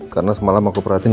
karena semalam aku perhatiin